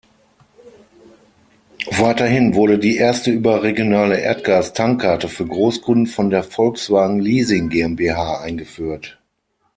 Weiterhin wurde die erste überregionale Erdgas-Tankkarte für Großkunden von der Volkswagen Leasing GmbH eingeführt.